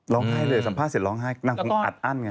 ให้เลยสัมภาษณ์เสร็จร้องไห้นางคงอัดอั้นไง